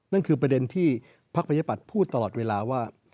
นั่นคือประเด็นที่พักประชาปัตย์พูดตลอดเวลาว่า